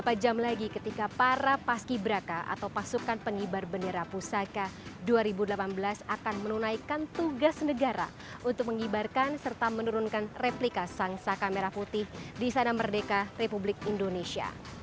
beberapa jam lagi ketika para paski braka atau pasukan pengibar bendera pusaka dua ribu delapan belas akan menunaikan tugas negara untuk mengibarkan serta menurunkan replika sang saka merah putih di sana merdeka republik indonesia